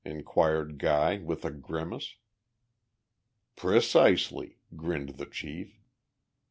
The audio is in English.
inquired Guy, with a grimace. "Precisely," grinned the chief.